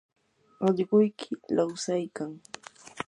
allquyki lawsaykan.